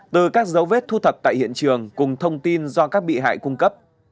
từ các dấu vết thu thập tại hiện trường cùng thông tin do các bị hại cung cấp